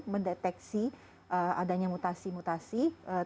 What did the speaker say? mendeteksi adanya mutasi mutasi